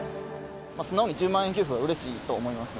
素直に１０万円給付はうれしいと思いますね。